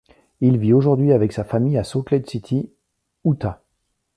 Il vit aujourd'hui avec sa famille à Salt Lake City, Utah.